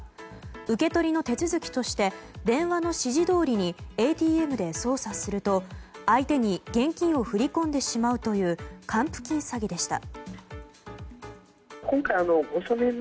受け取りの手続きとして電話の指示どおりにＡＴＭで操作すると相手に現金を振り込んでしまうという還付金詐欺でした。